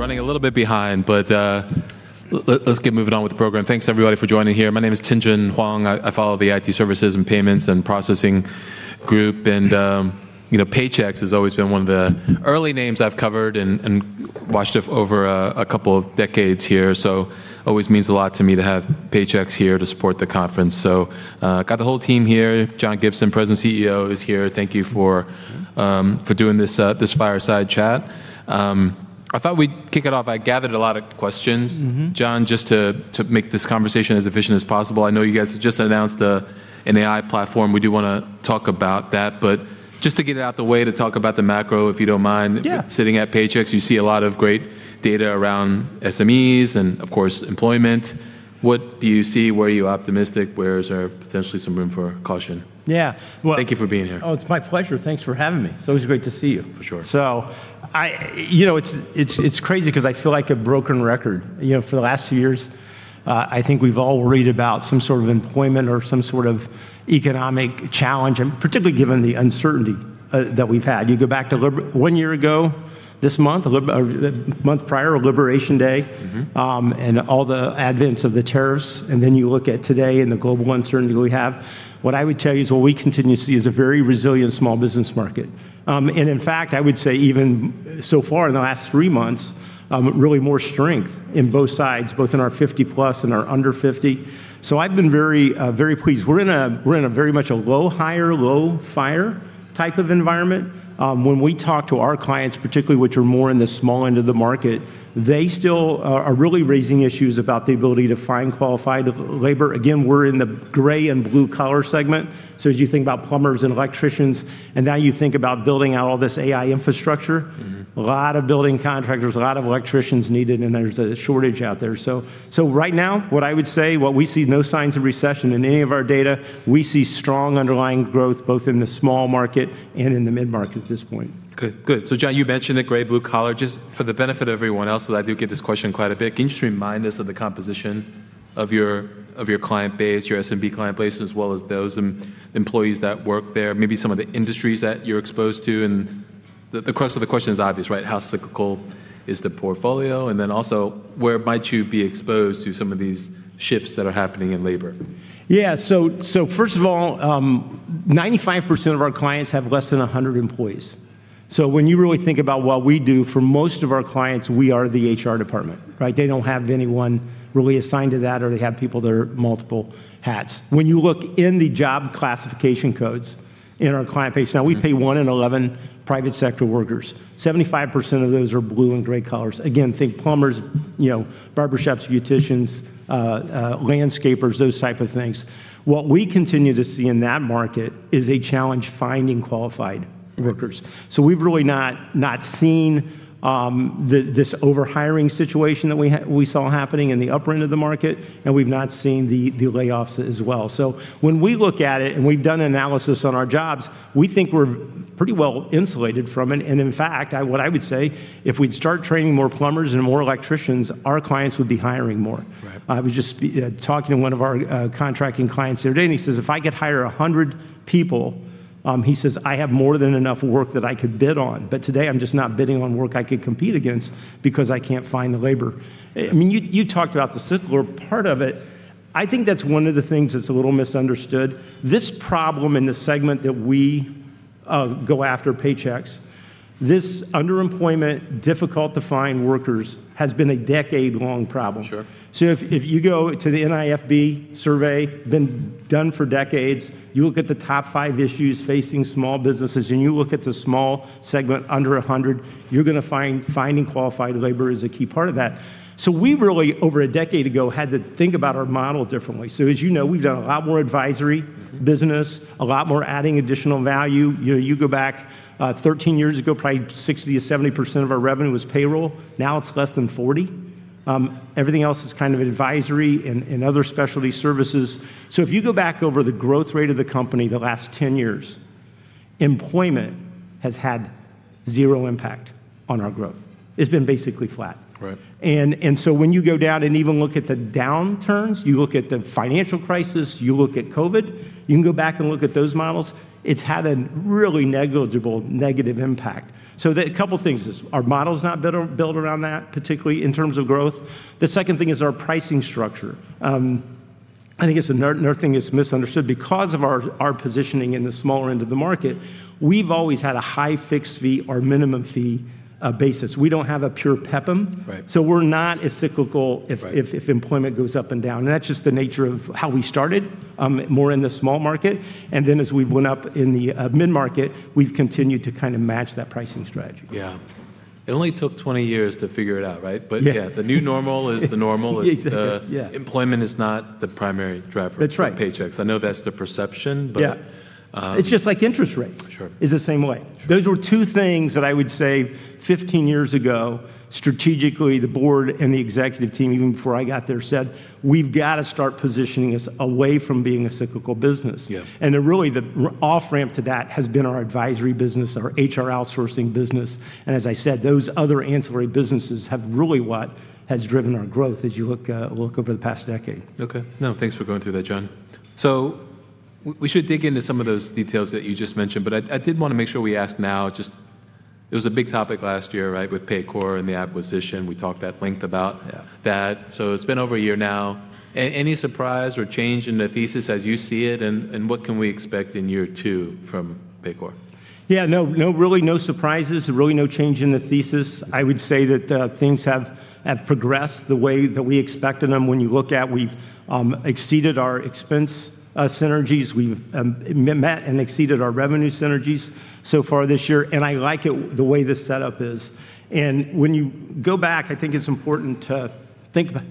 We're running a little bit behind. Let's get moving on with the program. Thanks everybody for joining here. My name is Tien-Tsin Huang. I follow the IT services and payments and processing group and, you know, Paychex has always been one of the early names I've covered and watched over a couple of decades here. Always means a lot to me to have Paychex here to support the conference. Got the whole team here. John Gibson, President CEO is here. Thank you for doing this fireside chat. I thought we'd kick it off. John, just to make this conversation as efficient as possible. I know you guys have just announced an AI platform. We do wanna talk about that, just to get it out the way to talk about the macro, if you don't mind. Yeah. Sitting at Paychex, you see a lot of great data around SMEs and of course employment. What do you see? Where are you optimistic? Where is there potentially some room for caution? Yeah. Thank you for being here. Oh, it's my pleasure. Thanks for having me. It's always great to see you. For sure. I You know, it's, it's crazy because I feel like a broken record. You know, for the last few years, I think we've all worried about some sort of employment or some sort of economic challenge, and particularly given the uncertainty that we've had. You go back to one year ago this month, a month prior, Liberation Day. All the advents of the tariffs, and then you look at today and the global uncertainty we have. What I would tell you is what we continue to see is a very resilient small business market. In fact, I would say even so far in the last three months, really more strength in both sides, both in our 50 plus and our under 50. I've been very, very pleased. We're in a very much a low hire, low fire type of environment. When we talk to our clients particularly, which are more in the small end of the market, they still are really raising issues about the ability to find qualified labor. Again, we're in the gray and blue collar segment. As you think about plumbers and electricians, now you think about building out all this AI infrastructure. A lot of building contractors, a lot of electricians needed. There's a shortage out there. Right now, what I would say, well we see no signs of recession in any of our data. We see strong underlying growth both in the small market and in the mid-market at this point. Good. Good. John, you mentioned the gray, blue collar. Just for the benefit of everyone else, I do get this question quite a bit, can you just remind us of the composition of your client base, your SMB client base, as well as those employees that work there, maybe some of the industries that you're exposed to? The crux of the question is obvious, right? How cyclical is the portfolio? Also where might you be exposed to some of these shifts that are happening in labor? Yeah. First of all, 95% of our clients have less than 100 employees. When you really think about what we do, for most of our clients, we are the HR department, right? They don't have anyone really assigned to that, or they have people that are multiple hats. When you look in the job classification codes in our client base, now we pay one in 11 private sector workers. 75% of those are blue and gray collars. Again, think plumbers, you know, barbershops, beauticians, landscapers, those type of things. What we continue to see in that market is a challenge finding qualified workers. We've really not seen this over-hiring situation that we saw happening in the upper end of the market, and we've not seen the layoffs as well. When we look at it, and we've done analysis on our jobs, we think we're pretty well insulated from it. In fact, what I would say, if we'd start training more plumbers and more electricians, our clients would be hiring more. Right. I was just talking to one of our contracting clients the other day, and he says, "If I could hire 100 people," he says, "I have more than enough work that I could bid on." Today I'm just not bidding on work I could compete against because I can't find the labor. I mean, you talked about the cyclical part of it. I think that's one of the things that's a little misunderstood. This problem in the segment that we go after, Paychex, this underemployment, difficult to find workers, has been a decade-long problem. Sure. If you go to the NFIB survey, been done for decades, you look at the top five issues facing small businesses, and you look at the small segment under 100, you're going to find finding qualified labor is a key part of that. We really, over a decade ago, had to think about our model differently. As you know, we've done a lot more advisory. business, a lot more adding additional value. You know, you go back, 13-years ago, probably 60%-70% of our revenue was payroll. Now it's less than 40%. Everything else is kind of advisory and other specialty services. If you go back over the growth rate of the company the last 10-years, employment has had zero impact on our growth. It's been basically flat. Right. When you go down and even look at the downturns, you look at the financial crisis, you look at COVID, you can go back and look at those models. It's had a really negligible negative impact. A couple things is our model's not built around that, particularly in terms of growth. The second thing is our pricing structure. I think it's another thing that's misunderstood. Because of our positioning in the smaller end of the market, we've always had a high fixed fee or minimum fee basis. We don't have a pure PEPM. Right. We're not as cyclical. Right. If employment goes up and down. That's just the nature of how we started, more in the small market. Then as we went up in the mid-market, we've continued to kinda match that pricing strategy. Yeah. It only took 20-years to figure it out, right? Yeah. Yeah, the new normal is the normal. Yeah. It's, uh-. Yeah. Employment is not the primary driver. That's right. for Paychex. I know that's the perception. Yeah. It's just like interest rates. Sure. Is the same way. Sure. Those were two things that I would say 15-years ago, strategically, the board and the executive team, even before I got there, said, "We've gotta start positioning us away from being a cyclical business. Yeah. The off-ramp to that has been our advisory business, our HR outsourcing business, as I said, those other ancillary businesses have really what has driven our growth as you look over the past decade. Okay. No, thanks for going through that, John. We should dig into some of those details that you just mentioned, but I did wanna make sure we ask now, just it was a big topic last year, right? With Paycor and the acquisition, we talked at length. Yeah. that. It's been over a year now. Any surprise or change in the thesis as you see it, and what can we expect in year two from Paycor? Yeah, no really no surprises, really no change in the thesis. I would say that things have progressed the way that we expected them. When you look at, we've exceeded our expense synergies. We've met and exceeded our revenue synergies so far this year. I like it the way the setup is. When you go back, I think it's important to think about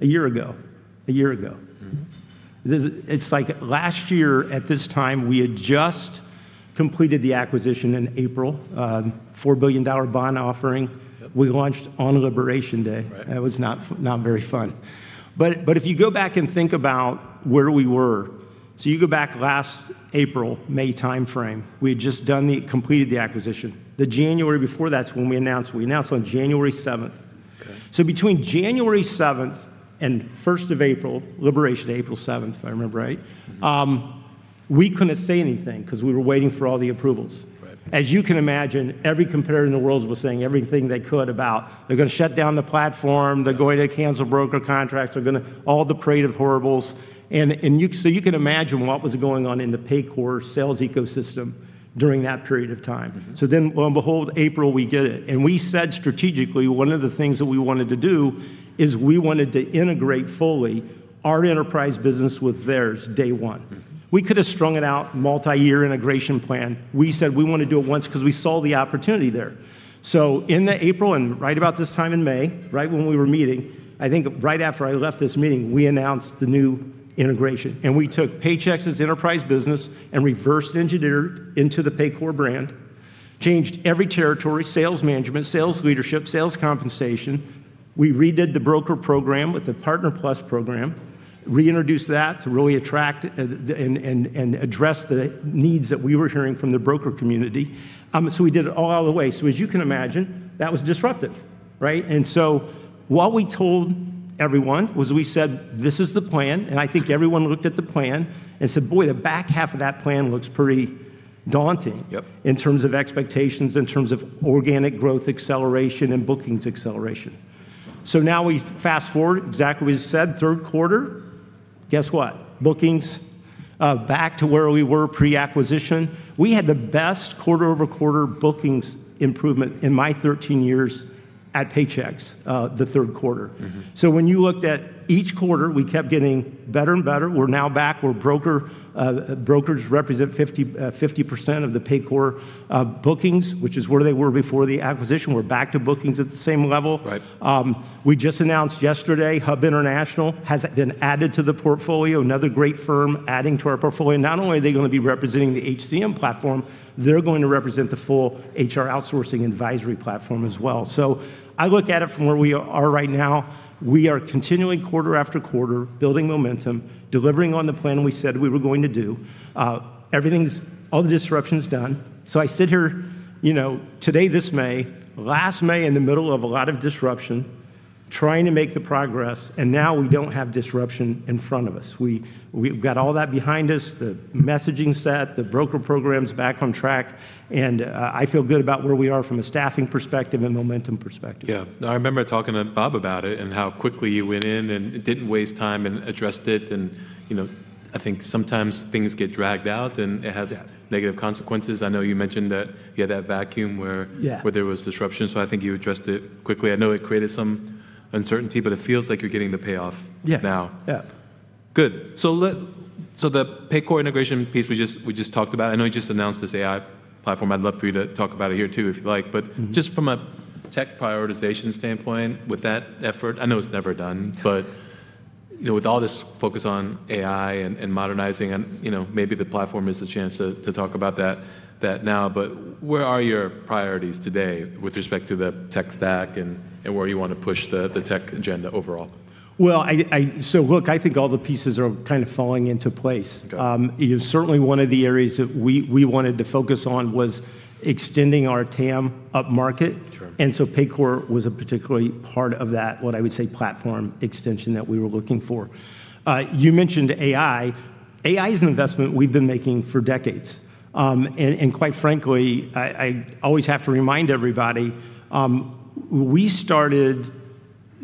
a year ago. It's like last year at this time, we had just completed the acquisition in April, $4 billion bond offering. Yep. We launched on Liberation Day. Right. That was not very fun. If you go back and think about where we were. You go back last April, May timeframe, we had just completed the acquisition. The January before that's when we announced. We announced on January seventh. Okay. Between January seventh and first of April, Liberation Day, April seventh. We couldn't say anything 'cause we were waiting for all the approvals. Right. As you can imagine, every competitor in the world was saying everything they could about, "They're gonna shut down the platform. They're going to cancel broker contracts. They're gonna" All the Parade of Horribles. You can imagine what was going on in the Paycor sales ecosystem during that period of time. Lo and behold, April, we get it. We said strategically, one of the things that we wanted to do is we wanted to integrate fully our enterprise business with theirs day one. We could have strung it out, multi-year integration plan. We said we wanna do it once 'cause we saw the opportunity there. In the April and right about this time in May, right when we were meeting, I think right after I left this meeting, we announced the new integration, and we took Paychex's enterprise business and reverse engineered into the Paycor brand, changed every territory, sales management, sales leadership, sales compensation. We redid the broker program with the Partner Plus program, reintroduced that to really attract the and address the needs that we were hearing from the broker community. We did it all the way. As you can imagine, that was disruptive, right? What we told everyone was we said, "This is the plan." I think everyone looked at the plan and said, "Boy, the back half of that plan looks pretty daunting. Yep. In terms of expectations, in terms of organic growth acceleration, and bookings acceleration. Now we fast-forward, exactly as you said, third quarter. Guess what? Bookings, back to where we were pre-acquisition. We had the best quarter-over-quarter bookings improvement in my 13-years at Paychex, the third quarter. When you looked at each quarter, we kept getting better and better. We're now back. Brokers represent 50% of the Paycor bookings, which is where they were before the acquisition. We're back to bookings at the same level. Right. We just announced yesterday HUB International has been added to the portfolio, another great firm adding to our portfolio. Not only are they gonna be representing the HCM platform, they're going to represent the full HR outsourcing advisory platform as well. I look at it from where we are right now. We are continuing quarter after quarter, building momentum, delivering on the plan we said we were going to do. Everything's, all the disruption is done. I sit here, you know, today, this May, last May in the middle of a lot of disruption, trying to make the progress, now we don't have disruption in front of us. We've got all that behind us, the messaging set, the broker program's back on track, I feel good about where we are from a staffing perspective and momentum perspective. Yeah. I remember talking to Bob about it and how quickly you went in and didn't waste time and addressed it. You know, I think sometimes things get dragged out. Yeah. Negative consequences. I know you mentioned that you had that vacuum. Yeah. where there was disruption, so I think you addressed it quickly. I know it created some uncertainty, but it feels like you're getting the payoff. Yeah. Now. Yeah. Good. The Paycor integration piece we just talked about, I know you just announced this AI platform. I'd love for you to talk about it here too, if you like. Just from a tech prioritization standpoint, with that effort, I know it's never done, but, you know, with all this focus on AI and modernizing and, you know, maybe the platform is a chance to talk about that now. Where are your priorities today with respect to the tech stack and where you wanna push the tech agenda overall? Well, look, I think all the pieces are kind of falling into place. Okay. You know, certainly one of the areas that we wanted to focus on was extending our TAM upmarket. Sure. Paycor was a particularly part of that, what I would say, platform extension that we were looking for. You mentioned AI. AI is an investment we've been making for decades. Quite frankly, I always have to remind everybody, we started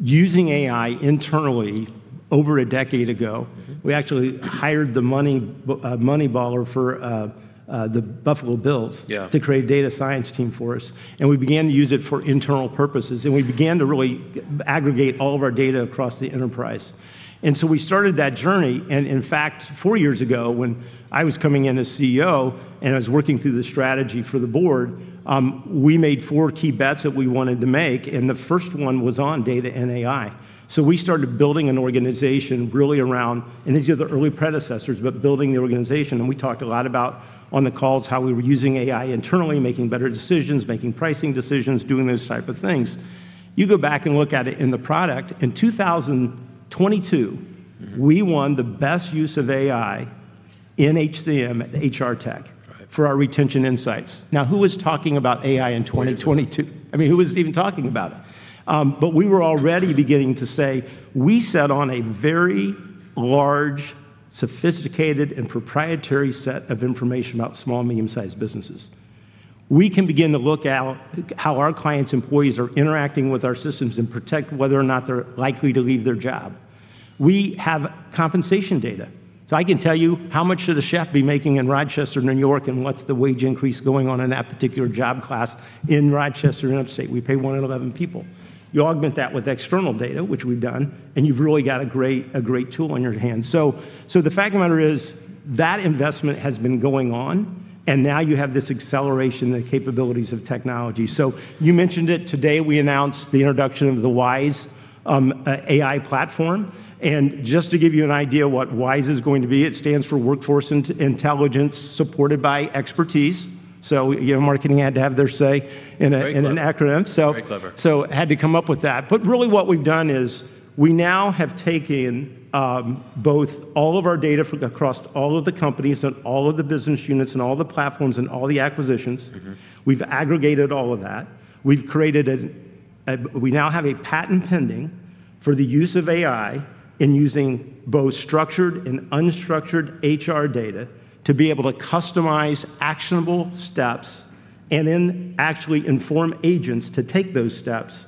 using AI internally over a decade ago. We actually hired the money Moneyballer for the Buffalo Bills. Yeah. To create a data science team for us, and we began to use it for internal purposes, and we began to really aggregate all of our data across the enterprise. We started that journey, and in fact, four years ago, when I was coming in as CEO, and I was working through the strategy for the board, we made four key bets that we wanted to make, and the first one was on data and AI. We started building an organization really around, and these are the early predecessors, but building the organization. We talked a lot about, on the calls, how we were using AI internally, making better decisions, making pricing decisions, doing those type of things. You go back and look at it in the product. In 2022. We won the best use of AI in HCM at HR Tech. Right. For our Retention Insights. Who was talking about AI in 2022? I mean, who was even talking about it? We were already beginning to say, we sat on a very large, sophisticated, and proprietary set of information about small, medium-sized businesses. We can begin to look at how our clients' employees are interacting with our systems and predict whether or not they're likely to leave their job. We have compensation data. I can tell you how much should a chef be making in Rochester, New York, and what's the wage increase going on in that particular job class in Rochester, in Upstate. We pay one in 11 people. You augment that with external data, which we've done, and you've really got a great tool on your hands. The fact of the matter is, that investment has been going on, and now you have this acceleration, the capabilities of technology. You mentioned it today, we announced the introduction of the WISE AI platform. Just to give you an idea what WISE is going to be, it stands for Workforce Intelligence Strengthened by Expertise. You know, marketing had to have their say in a very clever in an acronym. Very clever. Had to come up with that. Really what we've done is, we now have taken both all of our data across all of the companies and all of the business units, and all the platforms, and all the acquisitions. Mm-hmm. We've aggregated all of that. We now have a patent pending for the use of AI in using both structured and unstructured HR data to be able to customize actionable steps, and then actually inform agents to take those steps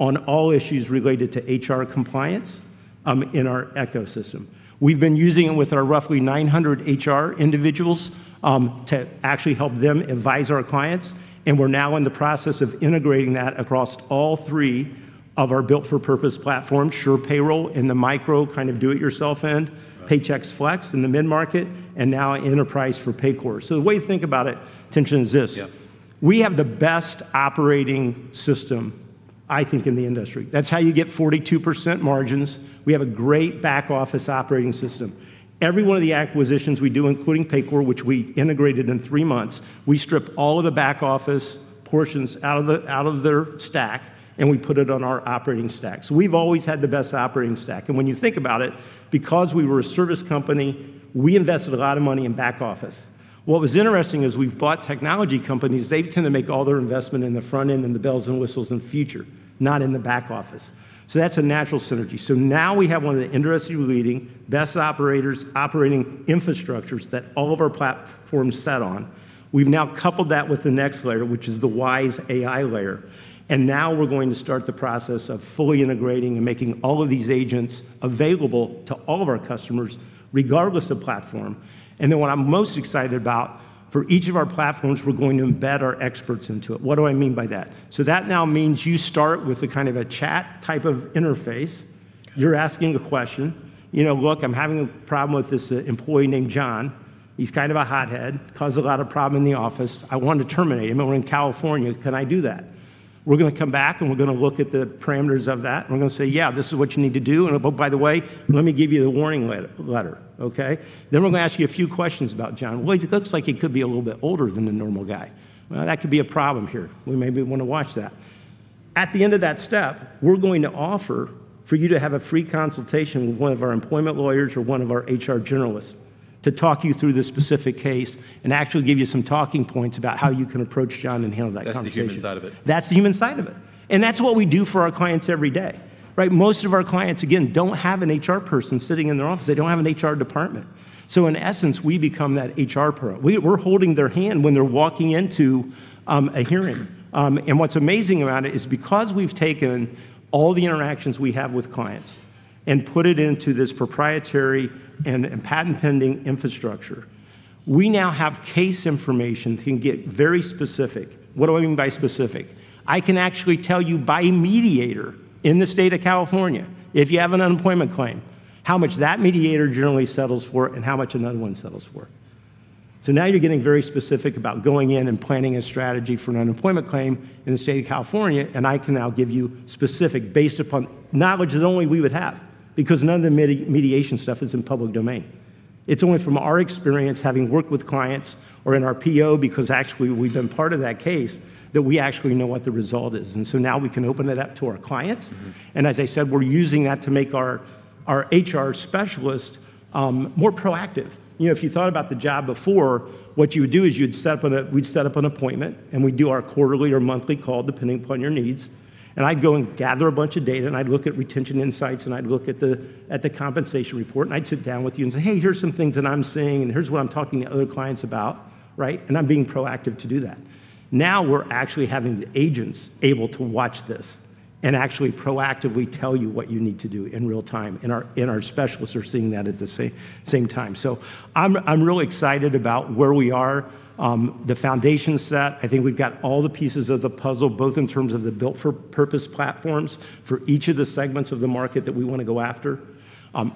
on all issues related to HR compliance in our ecosystem. We've been using it with our roughly 900 HR individuals to actually help them advise our clients, and we're now in the process of integrating that across all three of our built-for-purpose platforms, SurePayroll, in the micro kind of do it yourself end, right, Paychex Flex in the mid-market, and now Enterprise for Paycor. The way to think about it, Tien-Tsin Huang, is this. Yeah. We have the best operating system, I think, in the industry. That's how you get 42% margins. We have a great back office operating system. Every one of the acquisitions we do, including Paycor, which we integrated in three months, we strip all of the back office portions out of their stack, and we put it on our operating stack. We've always had the best operating stack. When you think about it, because we were a service company, we invested a lot of money in back office. What was interesting is we've bought technology companies, they tend to make all their investment in the front end and the bells and whistles and future, not in the back office. That's a natural synergy. Now we have one of the industry-leading best operators operating infrastructures that all of our platforms sat on. We've now coupled that with the next layer, which is the WISE AI layer. Now we're going to start the process of fully integrating and making all of these agents available to all of our customers, regardless of platform. What I'm most excited about, for each of our platforms, we're going to embed our experts into it. What do I mean by that? That now means you start with a kind of a chat type of interface. You're asking a question. You know, "Look, I'm having a problem with this employee named John. He's kind of a hothead, caused a lot of problem in the office. I want to terminate him, and we're in California. Can I do that?" We're gonna come back, and we're gonna look at the parameters of that, and we're gonna say, "Yeah, this is what you need to do. By the way, let me give you the warning letter, okay? We're gonna ask you a few questions about John. Well, it looks like he could be a little bit older than the normal guy. Well, that could be a problem here. We maybe want to watch that. At the end of that step, we're going to offer for you to have a free consultation with one of our employment lawyers or one of our HR generalists to talk you through this specific case and actually give you some talking points about how you can approach John and handle that conversation. That's the human side of it. That's what we do for our clients every day. Right? Most of our clients, again, don't have an HR person sitting in their office. They don't have an HR department. In essence, we become that HR pro. We're holding their hand when they're walking into a hearing. What's amazing around it is because we've taken all the interactions we have with clients and put it into this proprietary and patent-pending infrastructure, we now have case information that can get very specific. What do I mean by specific? I can actually tell you by mediator in the state of California, if you have an unemployment claim, how much that mediator generally settles for and how much another one settles for. Now you're getting very specific about going in and planning a strategy for an unemployment claim in the state of California, and I can now give you specific based upon knowledge that only we would have, because none of the mediation stuff is in public domain. It's only from our experience having worked with clients or in our PEO, because actually we've been part of that case, that we actually know what the result is. Now we can open it up to our clients. As I said, we're using that to make our HR specialist more proactive. You know, if you thought about the job before, what you would do is we'd set up an appointment, we'd do our quarterly or monthly call, depending upon your needs, I'd go and gather a bunch of data, I'd look at Retention Insights, I'd look at the compensation report, I'd sit down with you and say, "Hey, here's some things that I'm seeing, and here's what I'm talking to other clients about." Right. I'm being proactive to do that. We're actually having the agents able to watch this and actually proactively tell you what you need to do in real time, and our specialists are seeing that at the same time. I'm really excited about where we are. The foundation set, I think we've got all the pieces of the puzzle, both in terms of the built-for-purpose platforms for each of the segments of the market that we wanna go after.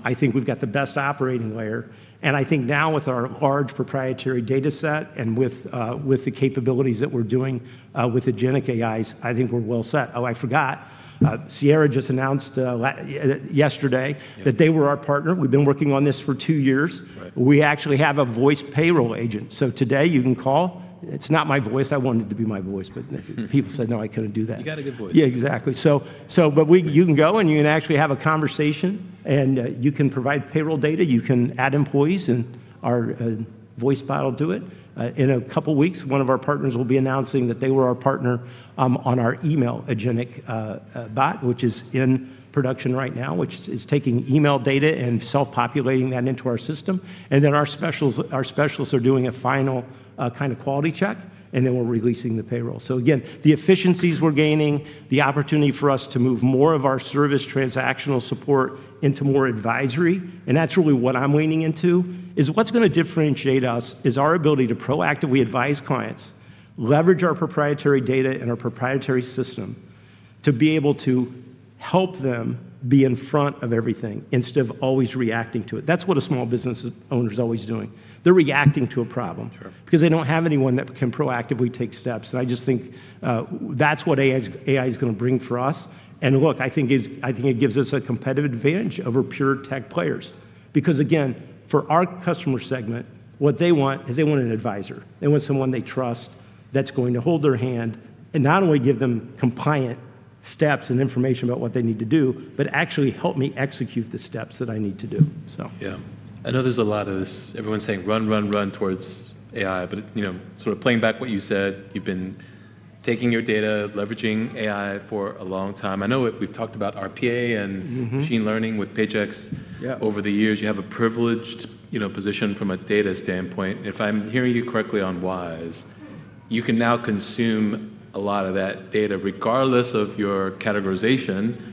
I think we've got the best operating layer. I think now with our large proprietary data set and with the capabilities that we're doing with Agentic AIs, I think we're well set. Oh, I forgot. Sierra just announced yesterday, Yeah, that they were our partner. We've been working on this for two years. Right. We actually have a voice payroll agent. Today you can call. It's not my voice. I want it to be my voice, but people said, no, I couldn't do that. You got a good voice. Yeah, exactly. You can go and you can actually have a conversation, and you can provide payroll data, you can add employees, and our voice bot will do it. In a couple weeks, one of our partners will be announcing that they were our partner on our email agentic bot, which is in production right now, which is taking email data and self-populating that into our system. Our specialists are doing a final kind of quality check, and then we're releasing the payroll. Again, the efficiencies we're gaining, the opportunity for us to move more of our service transactional support into more advisory, and that's really what I'm leaning into, is what's gonna differentiate us is our ability to proactively advise clients, leverage our proprietary data and our proprietary system. To be able to help them be in front of everything instead of always reacting to it. That's what a small business owner's always doing. They're reacting to a problem. Sure. They don't have anyone that can proactively take steps, and I just think that's what AI is gonna bring for us. I think it gives us a competitive advantage over pure tech players. Again, for our customer segment, what they want is they want an advisor. They want someone they trust that's going to hold their hand, and not only give them compliant steps and information about what they need to do, but actually help me execute the steps that I need to do. Yeah. I know there's a lot of this, everyone saying run, run towards AI, you know, sort of playing back what you said, you've been taking your data, leveraging AI for a long time. I know it, we've talked about RPA. Machine learning with Paychex. Yeah. Over the years. You have a privileged, you know, position from a data standpoint. If I'm hearing you correctly on WISE, you can now consume a lot of that data regardless of your categorization,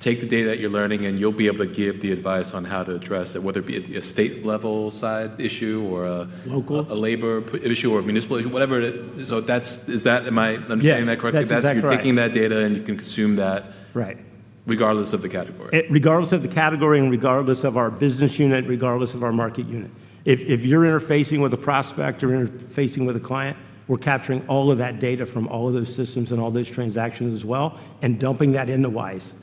take the data that you're learning, and you'll be able to give the advice on how to address it, whether it be at the estate level side issue or. Local. A labor issue or municipal issue, whatever it is. Am I saying that correctly? Yeah, that's exactly right. That's you're taking that data and you can consume that. Right. Regardless of the category. Regardless of the category and regardless of our business unit, regardless of our market unit. If you're interfacing with a prospect or interfacing with a client, we're capturing all of that data from all of those systems and all those transactions as well and dumping that into WISE.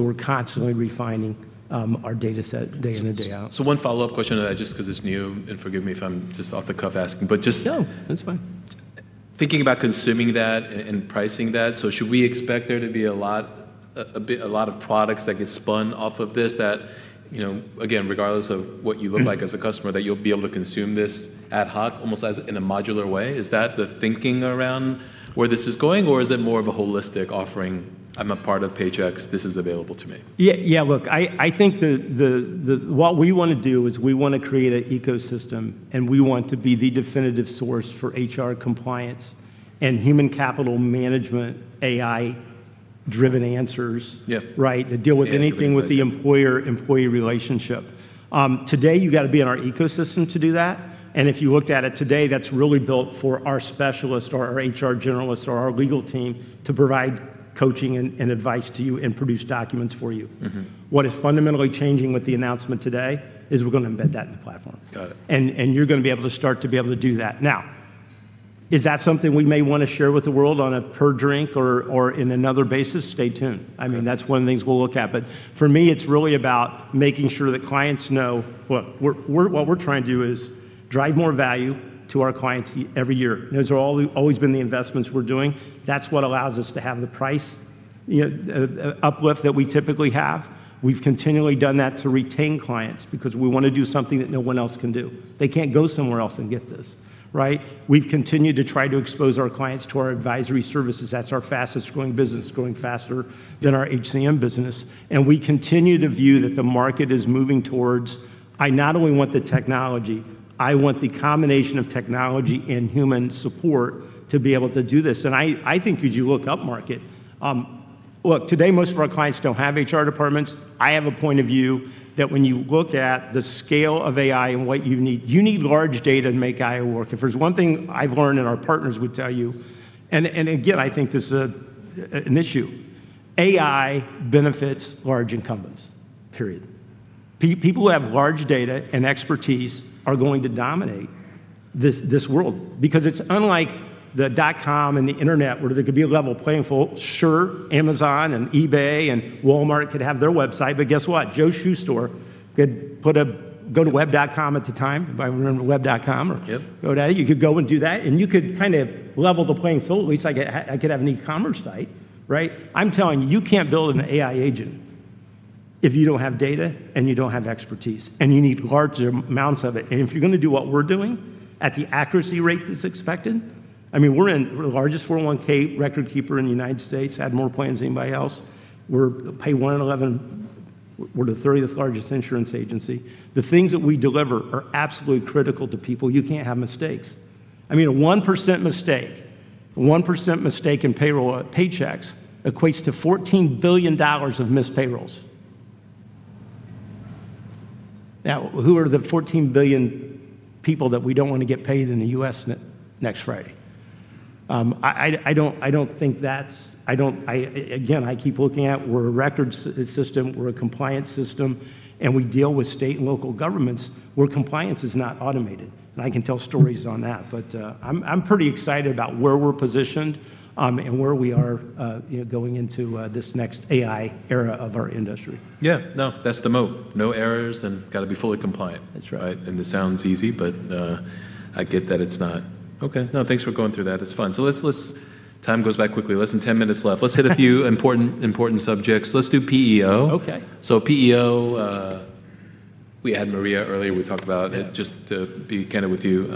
We're constantly refining our data set day in and day out. One follow-up question to that, just 'cause it's new, and forgive me if I'm just off the cuff asking. No, that's fine. Thinking about consuming that and pricing that, Should we expect there to be a lot of products that get spun off of this that, you know, again, regardless of what you look like as a customer, that you'll be able to consume this ad hoc almost as in a modular way? Is that the thinking around where this is going, or is it more of a Holistic offering? I'm a part of Paychex, this is available to me. Look, I think what we wanna do is we wanna create a ecosystem. We want to be the definitive source for HR compliance and human capital management AI-driven answers. Yeah. Right? To deal with anything. Yeah, everything I said. With the employer-employee relationship. Today, you gotta be in our ecosystem to do that, and if you looked at it today, that's really built for our specialist or our HR generalist or our legal team to provide coaching and advice to you and produce documents for you. What is fundamentally changing with the announcement today is we're gonna embed that in the platform. Got it. You're gonna be able to start to be able to do that. Now, is that something we may wanna share with the world on a per drink or in another basis? Stay tuned. Okay. I mean, that's one of the things we'll look at. For me, it's really about making sure that clients know, look, we're what we're trying to do is drive more value to our clients every year. Those are all, always been the investments we're doing. That's what allows us to have the price, you know, uplift that we typically have. We've continually done that to retain clients because we wanna do something that no one else can do. They can't go somewhere else and get this, right? We've continued to try to expose our clients to our advisory services. That's our fastest growing business, growing faster than our HCM business. We continue to view that the market is moving towards, "I not only want the technology, I want the combination of technology and human support to be able to do this." I think as you look up market, look, today, most of our clients don't have HR departments. I have a point of view that when you look at the scale of AI and what you need, you need large data to make AI work. If there's one thing I've learned, our partners would tell you, and again, I think this is an issue, AI benefits large incumbents, period. People who have large data and expertise are going to dominate this world because it's unlike the dot-com and the internet where there could be a level playing field. Sure, Amazon and eBay and Walmart could have their website. Guess what? Joe's Shoe Store could go to web.com at the time, if I remember web.com. Yep. Go to that. You could go and do that. You could kind of level the playing field. At least I could have an e-commerce site, right? I'm telling you can't build an AI agent if you don't have data and you don't have expertise. You need large amounts of it. If you're gonna do what we're doing at the accuracy rate that's expected, I mean, we're the largest 401(k) record keeper in the U.S., have more plans than anybody else. We're pay one in 11, we're the 30th largest insurance agency. The things that we deliver are absolutely critical to people. You can't have mistakes. I mean, a 1% mistake in payroll at Paychex equates to $14 billion of missed payrolls. Who are the 14 billion people that we don't wanna get paid in the U.S. next Friday? I don't think that's, I don't, I again, I keep looking at we're a records system, we're a compliance system, and we deal with state and local governments where compliance is not automated, and I can tell stories on that. I'm pretty excited about where we're positioned, and where we are, you know, going into this next AI era of our industry. Yeah, no, that's the moat. No errors and gotta be fully compliant. That's right. This sounds easy, but I get that it's not. Okay. No, thanks for going through that. It's fun. Let's, time goes by quickly. Less than 10-minutes left. Let's hit a few important subjects. Let's do PEO. Okay. PEO, we had Maria earlier, we talked about it. Yeah. Just to be candid with you,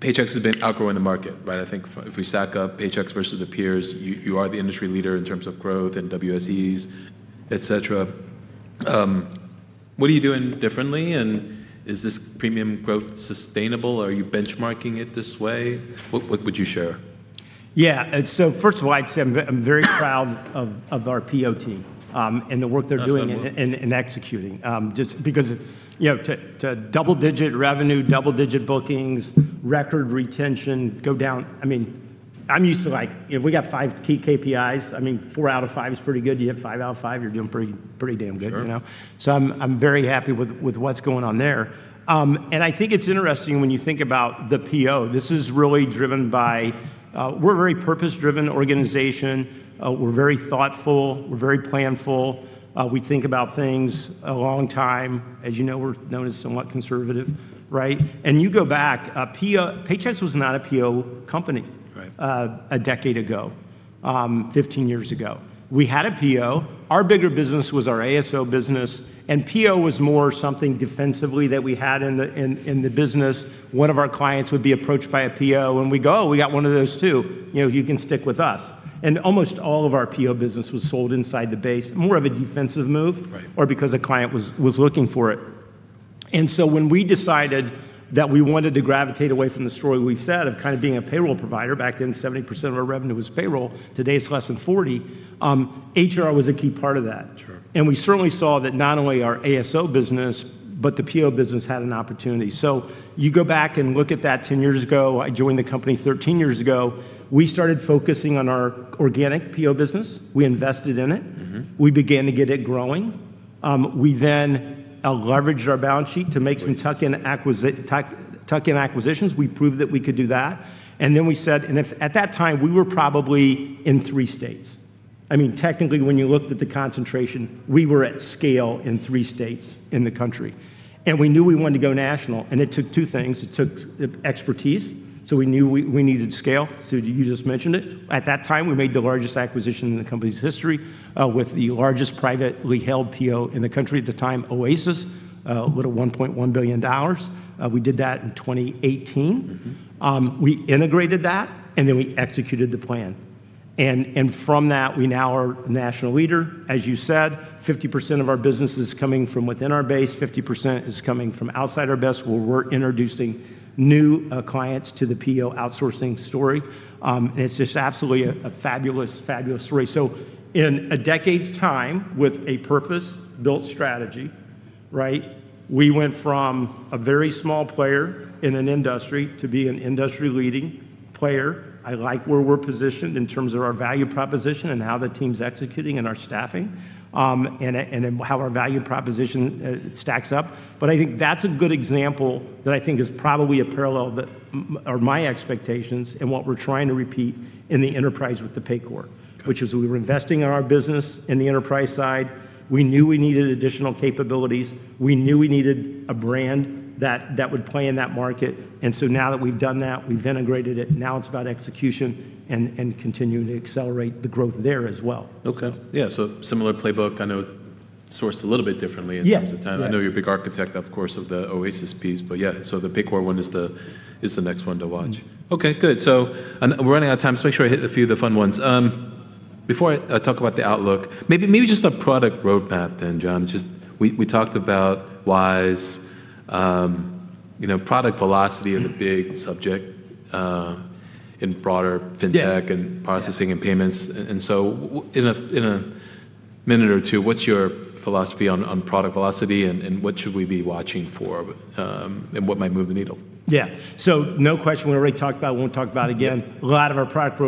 Paychex has been outgrowing the market, right? I think if we stack up Paychex versus the peers, you are the industry leader in terms of growth and WSEs, et cetera. What are you doing differently, and is this premium growth sustainable? Are you benchmarking it this way? What would you share? Yeah. First of all, I'd say I'm very proud of our PEO team and the work they're doing. That's number one. in executing. Just because, you know, to double-digit revenue, double-digit bookings, record retention go down, I mean, I'm used to like if we got five key KPIs, I mean, four out of five is pretty good. You hit five out of five, you're doing pretty damn good, you know? Sure. I'm very happy with what's going on there. I think it's interesting when you think about the PEO. This is really driven by, we're a very purpose-driven organization. We're very thoughtful. We're very planful. We think about things a long time. As you know, we're known as somewhat conservative, right? You go back, Paychex was not a PEO company. Right. A decade ago, 15-years ago. We had a PEO. Our bigger business was our ASO business, PEO was more something defensively that we had in the business. One of our clients would be approached by a PEO, we'd go, "We got one of those, too. You know, you can stick with us." Almost all of our PEO business was sold inside the base, more of a defensive move. Right. Because a client was looking for it. When we decided that we wanted to gravitate away from the story we've said of kind of being a payroll provider, back then 70% of our revenue was payroll, today it's less than 40%, HR was a key part of that. Sure. We certainly saw that not only our ASO business, but the PEO business had an opportunity. You go back and look at that 10-years ago, I joined the company 13-years ago, we started focusing on our organic PEO business. We invested in it. We began to get it growing. We leveraged our balance sheet. Wisely. Some tuck-in acquisitions. We proved that we could do that. We said at that time, we were probably in three states. I mean, technically, when you looked at the concentration, we were at scale in three states in the country. We knew we wanted to go national. It took two things. It took expertise. We knew we needed scale. You just mentioned it. At that time, we made the largest acquisition in the company's history, with the largest privately held PEO in the country at the time, Oasis, with a $1.1 billion. We did that in 2018. We integrated that, then we executed the plan. From that, we now are a national leader. As you said, 50% of our business is coming from within our base. 50% is coming from outside our base where we're introducing new clients to the PEO outsourcing story. It's just absolutely a fabulous story. In a decade's time with a purpose-built strategy, right, we went from a very small player in an industry to be an industry-leading player. I like where we're positioned in terms of our value proposition and how the team's executing and our staffing, and how our value proposition stacks up. I think that's a good example that I think is probably a parallel that are my expectations and what we're trying to repeat in the enterprise with the Paycor. Gotcha. Which is we were investing in our business in the enterprise side. We knew we needed additional capabilities. We knew we needed a brand that would play in that market. Now that we've done that, we've integrated it, now it's about execution and continuing to accelerate the growth there as well. Okay. Yeah, similar playbook. I know sourced a little bit differently. Yeah. Right. in terms of time. I know you're a big architect, of course, of the Oasis piece, but yeah, so the Paycor one is the next one to watch. Okay, good. And we're running out of time, so make sure I hit a few of the fun ones. Before I talk about the outlook, maybe just the product roadmap then, John. It's just we talked about WISE. You know, product velocity is a big subject in broader fintech-. Yeah. And processing and payments. In a minute or two, what's your philosophy on product velocity and what should we be watching for, and what might move the needle? Yeah. No question we already talked about, won't talk about again. Yeah. A lot of our product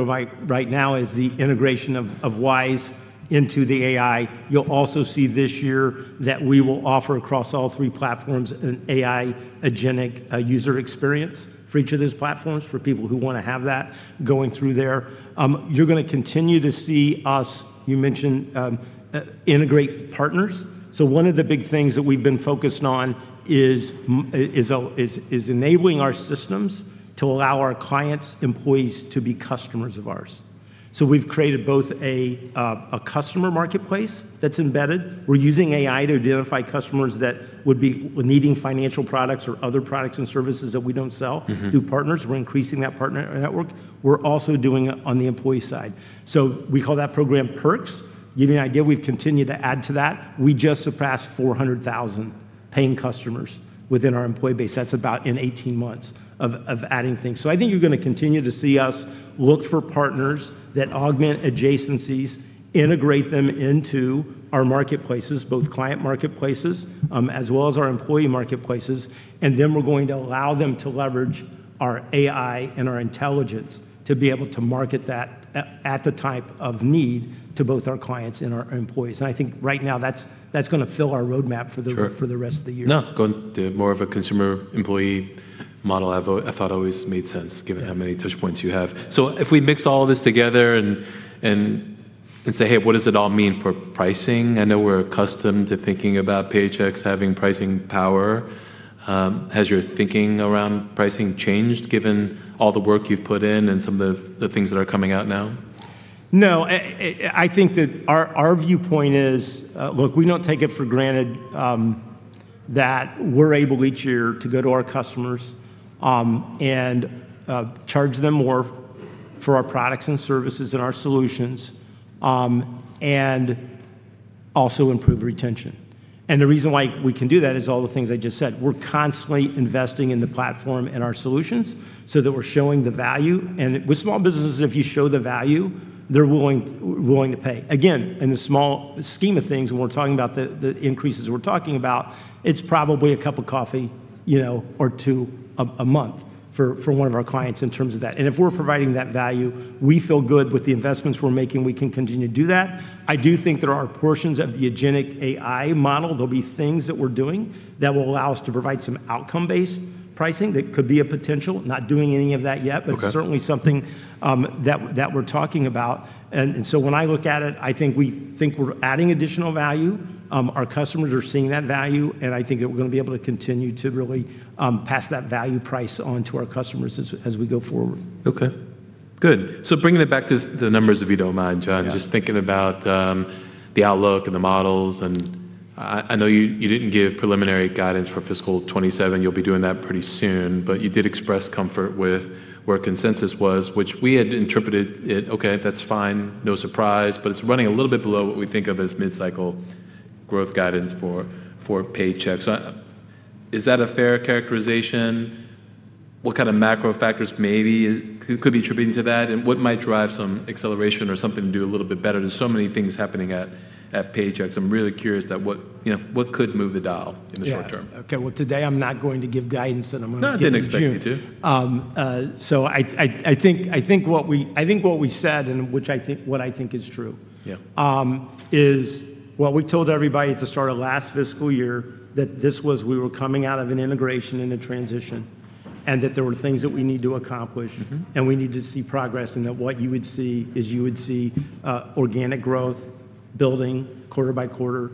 right now is the integration of WISE into the AI. You'll also see this year that we will offer across all three platforms an AI Agentic user experience for each of those platforms for people who wanna have that going through there. You're gonna continue to see us, you mentioned, integrate partners. One of the big things that we've been focused on is enabling our systems to allow our clients' employees to be customers of ours. We've created both a customer marketplace that's embedded. We're using AI to identify customers that would be needing financial products or other products and services that we don't sell. through partners. We're increasing that partner network. We're also doing it on the employee side. We call that program Perks. Give you an idea, we've continued to add to that. We just surpassed 400,000 paying customers within our employee base. That's about in 18-months of adding things. I think you're gonna continue to see us look for partners that augment adjacencies, integrate them into our marketplaces, both client marketplaces, as well as our employee marketplaces, and then we're going to allow them to leverage our AI and our intelligence to be able to market that at the type of need to both our clients and our employees. I think right now that's gonna fill our roadmap for the. Sure. For the rest of the year. No, going to more of a consumer employee model I thought always made sense given how many touch points you have. If we mix all this together and say, "Hey, what does it all mean for pricing?" I know we're accustomed to thinking about Paychex having pricing power. Has your thinking around pricing changed given all the work you've put in and some of the things that are coming out now? No. I think that our viewpoint is, look, we don't take it for granted that we're able each year to go to our customers and charge them more for our products and services and our solutions and also improve retention. The reason why we can do that is all the things I just said. We're constantly investing in the platform and our solutions so that we're showing the value. With small businesses, if you show the value, they're willing to pay. Again, in the small scheme of things, when we're talking about the increases we're talking about, it's probably a cup of coffee, you know, or two a month for one of our clients in terms of that. If we're providing that value, we feel good with the investments we're making, we can continue to do that. I do think there are portions of the Agentic AI model, there'll be things that we're doing that will allow us to provide some outcome-based pricing that could be a potential. Not doing any of that yet. Okay. Certainly something that we're talking about. When I look at it, I think we think we're adding additional value. Our customers are seeing that value, and I think that we're gonna be able to continue to really pass that value price on to our customers as we go forward. Okay. Good. Bringing it back to the numbers, if you don't mind, John. Yeah. Just thinking about the outlook and the models, I know you didn't give preliminary guidance for fiscal 2027. You'll be doing that pretty soon. You did express comfort with where consensus was, which we had interpreted it, okay, that's fine, no surprise, but it's running a little bit below what we think of as mid-cycle growth guidance for Paychex. Is that a fair characterization? What kind of macro factors maybe could be attributing to that? What might drive some acceleration or something to do a little bit better? There's so many things happening at Paychex. I'm really curious that what, you know, what could move the dial in the short term? Yeah. Okay. Well, today I'm not going to give guidance, and I'm gonna give in June. No, I didn't expect you to. I think what we said, and which I think is true. Yeah. Well, we told everybody at the start of last fiscal year that we were coming out of an integration and a transition, and that there were things that we need to accomplish. We need to see progress, and that what you would see is you would see, organic growth building quarter-by-quarter,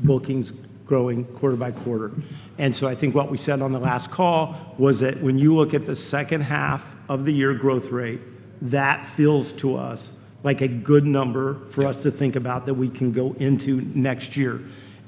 bookings growing quarter-by-quarter. I think what we said on the last call was that when you look at the second half of the year growth rate, that feels to us like a good number. Yeah. for us to think about that we can go into next year.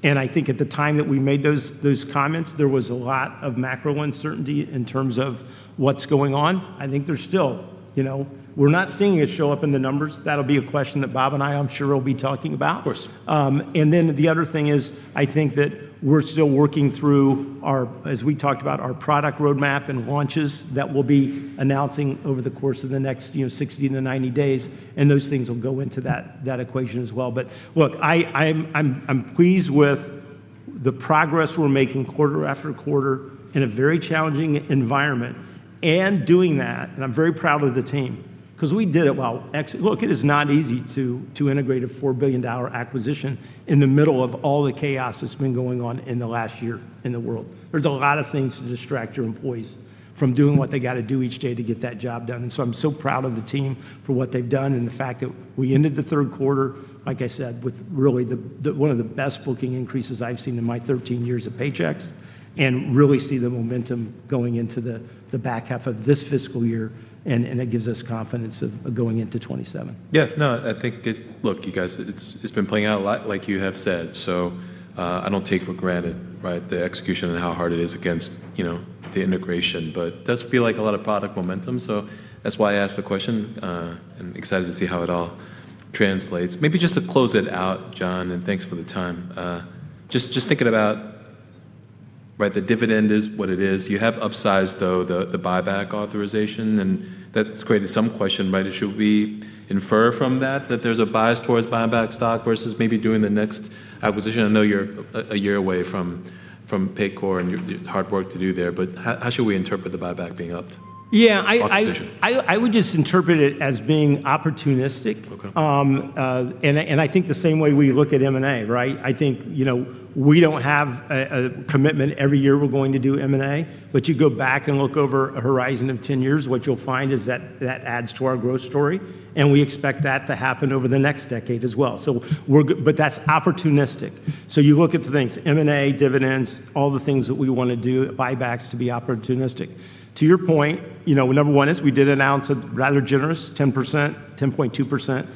I think at the time that we made those comments, there was a lot of macro uncertainty in terms of what's going on. I think there's still, you know, we're not seeing it show up in the numbers. That'll be a question that Bob and I'm sure, will be talking about. Of course. The other thing is, I think that we're still working through our, as we talked about, our product roadmap and launches that we'll be announcing over the course of the next, you know, 60-90-days, and those things will go into that equation as well. Look, I'm, I'm pleased with the progress we're making quarter after quarter in a very challenging environment, and doing that, and I'm very proud of the team 'cause we did it while Look, it is not easy to integrate a $4 billion acquisition in the middle of all the chaos that's been going on in the last year in the world. There's a lot of things to distract your employees from doing what they gotta do each day to get that job done. I'm so proud of the team for what they've done and the fact that we ended the third quarter, like I said, with really the one of the best booking increases I've seen in my 13-years at Paychex, and really see the momentum going into the back half of this fiscal year, and it gives us confidence of going into 2027. Yeah. No, I think it, you guys, it's been playing out a lot like you have said. I don't take for granted, right, the execution and how hard it is against, you know, the integration. Does feel like a lot of product momentum. That's why I asked the question. I'm excited to see how it all translates. Maybe just to close it out, John. Thanks for the time. Just thinking about, right, the dividend is what it is. You have upsized though the buyback authorization. That's created some question, right? Should we infer from that that there's a bias towards buying back stock versus maybe doing the next acquisition? I know you're a year away from Paycor and hard work to do there. How should we interpret the buyback being upped? Yeah. I. authorization? I would just interpret it as being opportunistic. Okay. I think the same way we look at M&A, right? I think, you know, we don't have a commitment every year we're going to do M&A. You go back and look over a horizon of 10-years, what you'll find is that that adds to our growth story, and we expect that to happen over the next decade as well. That's opportunistic. You look at the things, M&A, dividends, all the things that we wanna do, buybacks, to be opportunistic. Your point, you know, number 1 is we did announce a rather generous 10%, 10.2%.